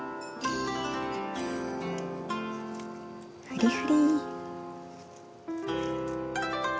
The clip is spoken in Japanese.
ふりふり。